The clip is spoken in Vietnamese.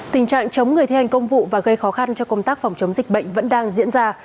tình trạng chống người thi hành công vụ và gây khó khăn cho công tác phòng chống dịch bệnh vẫn đang diễn ra